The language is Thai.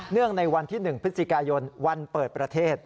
ในวันที่๑พฤศจิกายนวันเปิดประเทศ